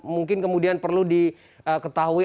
mungkin kemudian perlu diketahui